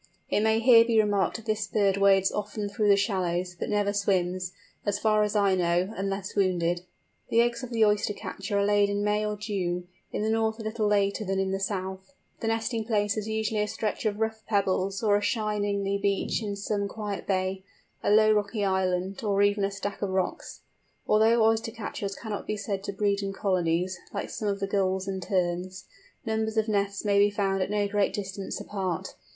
It may here be remarked that this bird wades often through the shallows, but never swims, as far as I know, unless wounded. The eggs of the Oyster catcher are laid in May or June, in the north a little later than in the south. The nesting place is usually a stretch of rough pebbles or a shingly beach in some quiet bay, a low rocky island, or even a stack of rocks. Although Oyster catchers cannot be said to breed in colonies, like some of the Gulls and Terns, numbers of nests may be found at no great distance apart.